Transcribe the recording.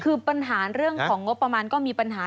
คือปัญหาเรื่องของงบประมาณก็มีปัญหา